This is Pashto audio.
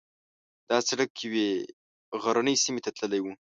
دا سړک یوې غرنۍ سیمې ته تللی و.